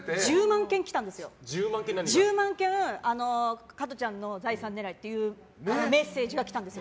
１０万件加トちゃんの財産狙いっていうメッセージが来たんです。